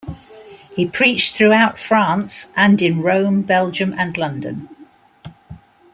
He preached throughout France and in Rome, Belgium, and London.